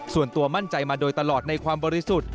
ส่วนตัวมั่นใจมาโดยตลอดในความบริสุทธิ์